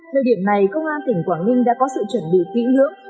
nơi điểm này công an tỉnh quảng ninh đã có sự chuẩn bị kỹ hướng